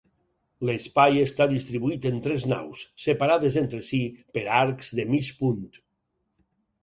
L'espai està distribuït en tres naus, separades entre si per arcs de mig punt.